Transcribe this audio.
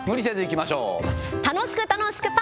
無楽しく、楽しく、ぱ。